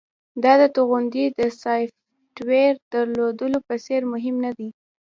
دا د توغندي د سافټویر درلودلو په څیر مهم ندی